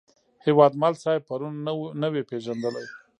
هیوادمل صاحب پرون نه وې پېژندلی.